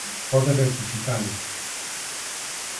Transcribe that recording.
Pode rectificalo.